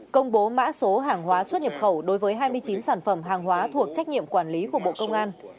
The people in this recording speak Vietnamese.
công bố mã số hàng hóa xuất nhập khẩu đối với hai mươi chín sản phẩm hàng hóa thuộc trách nhiệm quản lý của bộ công an